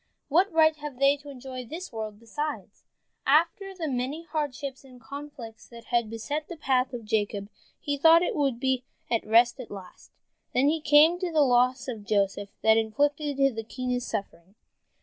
What right have they to enjoy this world, besides?" After the many hardships and conflicts that had beset the path of Jacob, he thought he would be at rest at last, and then came the loss of Joseph and inflicted the keenest suffering.